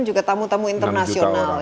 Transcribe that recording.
juga tamu tamu internasional